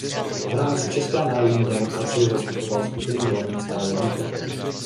V rámci Československé národní demokracie zastupoval skupinu Rolnická jednota.